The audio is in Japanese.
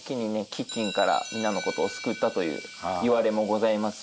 飢きんから皆のことを救ったといういわれもございますし。